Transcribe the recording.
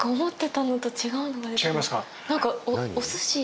違いますか？